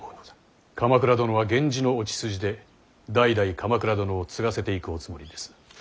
鎌倉殿は源氏のお血筋で代々鎌倉殿を継がせていくおつもりです。